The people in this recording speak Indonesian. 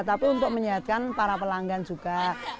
tapi untuk menyehatkan para pelanggan juga